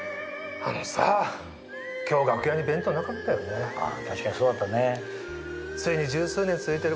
あのさ今日楽屋に弁当なかったよね。